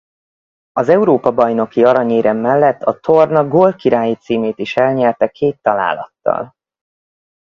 Az Európa-bajnoki aranyérem mellett a torna gólkirályi címét is elnyerte két találattal.